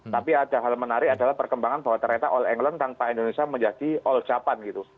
tapi ada hal menarik adalah perkembangan bahwa ternyata all england tanpa indonesia menjadi all japan gitu